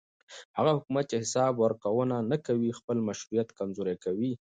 هغه حکومت چې حساب ورکوونه نه کوي خپل مشروعیت کمزوری کوي